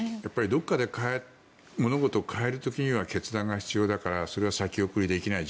どこかで物事を変える時には決断が必要だからそれは先送りできない。